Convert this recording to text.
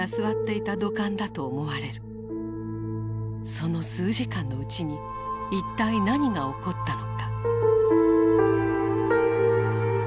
その数時間のうちに一体何が起こったのか。